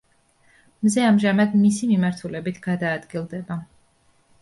მზე ამჟამად მისი მიმართულებით გადაადგილდება.